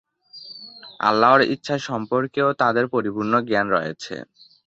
আল্লাহর ইচ্ছা সম্পর্কেও তাঁদের পরিপূর্ণ জ্ঞান রয়েছে।